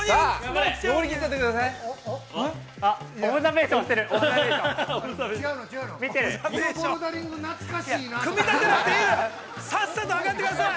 ◆登りきっちゃってください。